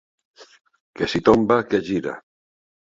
Que si tomba que gira.